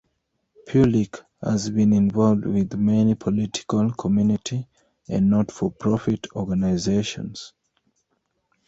Peulich has been involved with many political, community and not-for-profit organisations.